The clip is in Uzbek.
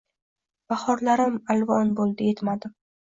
bahorlarim alvon boʼldi, yetmadim.